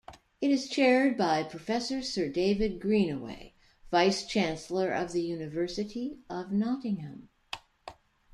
It is chaired by Professor Sir David Greenaway, Vice-Chancellor of the University of Nottingham.